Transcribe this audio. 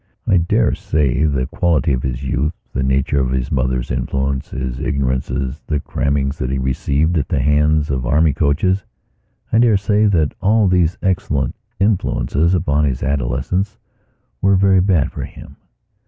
I dare say the quality of his youth, the nature of his mother's influence, his ignorances, the crammings that he received at the hands of army coachesI dare say that all these excellent influences upon his adolescence were very bad for him.